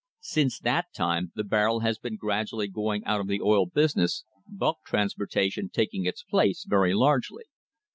Since that time the barrel has been gradually going out of the oil business, bulk transportation taking its place very largely.